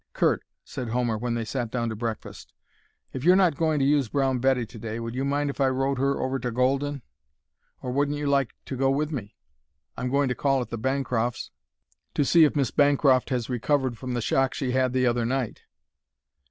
"Curt," said Homer when they sat down to breakfast, "if you're not going to use Brown Betty to day, would you mind if I rode her over to Golden? Or wouldn't you like to go with me? I'm going to call at the Bancrofts' to see if Miss Bancroft has recovered from the shock she had the other night."